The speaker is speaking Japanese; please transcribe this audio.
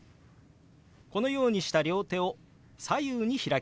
このようにした両手を左右に開きます。